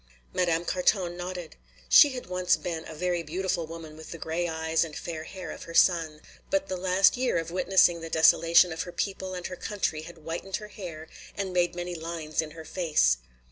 Madame Carton nodded. She had once been a very beautiful woman with the gray eyes and fair hair of her son. But the last year of witnessing the desolation of her people and her country had whitened her hair and made many lines in her face.